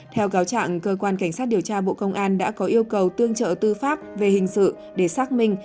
theo cáo trạng cơ quan cảnh sát điều tra bộ công an đã có yêu cầu tương trợ tư pháp về hình sự để xác minh